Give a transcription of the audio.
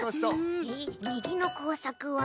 えっみぎのこうさくは？